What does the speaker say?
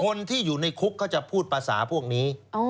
คนที่อยู่ในคุกก็จะพูดประสาคุกนี้